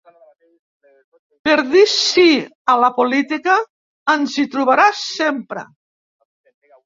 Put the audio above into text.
Per dir Sí a la política, ens hi trobarà sempre.